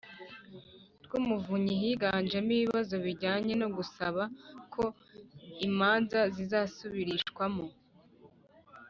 Rw umuvunyi higanjemo ibibazo bijyanye no gusaba ko imanza zisubirishwamo